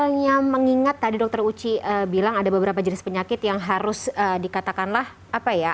misalnya mengingat tadi dokter uci bilang ada beberapa jenis penyakit yang harus dikatakanlah apa ya